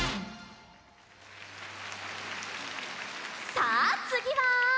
さあつぎは。